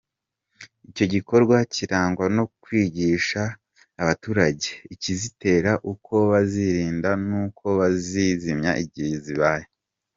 Icyo gikorwa kirangwa no kwigisha abaturage ikizitera, uko bazirinda, n’uko bazizimya igihe zibaye.